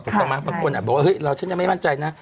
ถูกต้องไหมบางคนบอกว่าเฮ้ยเราฉันยังไม่มั่นใจนะ